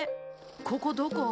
ここどこ？